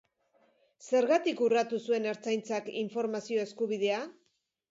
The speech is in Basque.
Zergatik urratu zuen Ertzaintzak informazio eskubidea?